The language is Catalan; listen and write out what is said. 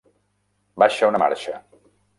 Baixa una marxa.